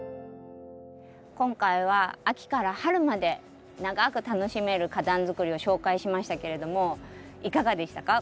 今回は秋から春まで長く楽しめる花壇づくりを紹介しましたけれどもいかがでしたか？